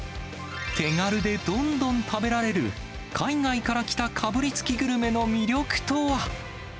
手軽でどんどん食べられる、海外から来たかぶりつきグルメの魅力とは。